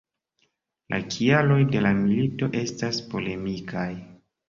La kialoj de la milito estas polemikaj.